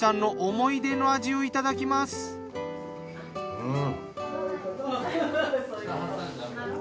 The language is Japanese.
うん。